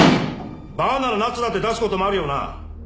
バーならナッツだって出すこともあるよな？